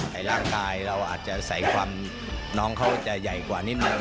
ร่างกายเราอาจจะใส่ความน้องเขาจะใหญ่กว่านิดนึง